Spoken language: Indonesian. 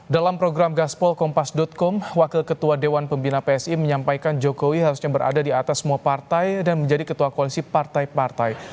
dalam program gaspol kompas com wakil ketua dewan pembina psi menyampaikan jokowi harusnya berada di atas semua partai dan menjadi ketua koalisi partai partai